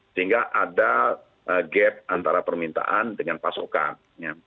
sehingga ada gap antara permintaan dengan pasokan